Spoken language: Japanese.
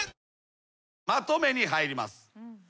まとめに入ります。